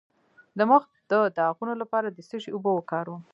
د مخ د داغونو لپاره د څه شي اوبه وکاروم؟